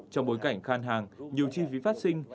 trong bối cảnh khan hàng nhiều chi phí phát sinh